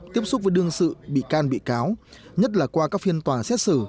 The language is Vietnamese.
tiếp xúc với đương sự bị can bị cáo nhất là qua các phiên tòa xét xử